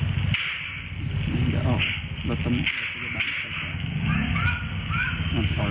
รตฯน้ำตาลื่นอีกครั้งเลยคือ